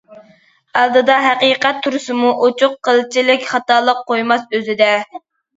ئالدىدا ھەقىقەت تۇرسىمۇ ئوچۇق، قىلچىلىك خاتالىق قويماس ئۆزىدە.